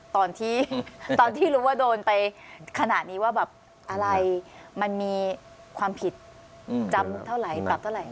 ตอนที่ตอนที่รู้ว่าโดนไปขนาดนี้ว่าแบบอะไรมันมีความผิดจำเท่าไหร่ปรับเท่าไหร